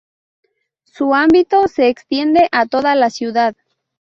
Su ámbito se extiende a toda la ciudad.